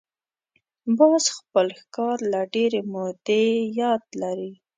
باز خپل ښکار له ډېرې مودې یاد لري